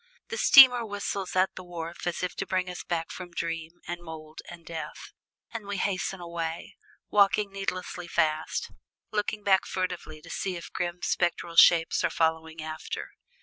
The steamer whistles at the wharf as if to bring us back from dream and mold and death, and we hasten away, walking needlessly fast, looking back furtively to see if grim spectral shapes are following after.